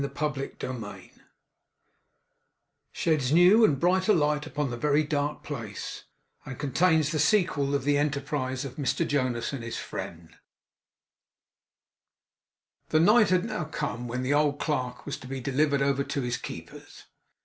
CHAPTER FIFTY ONE SHEDS NEW AND BRIGHTER LIGHT UPON THE VERY DARK PLACE; AND CONTAINS THE SEQUEL OF THE ENTERPRISE OF MR JONAS AND HIS FRIEND The night had now come, when the old clerk was to be delivered over to his keepers.